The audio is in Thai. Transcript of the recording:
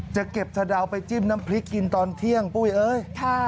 จะเก็บสะดาวไปจิ้มน้ำพริกกินตอนเที่ยงปุ้ยเอ้ย